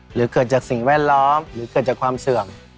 หรือเกิดจากสิ่งแวดล้อมหรือเกิดจากความเสื่อม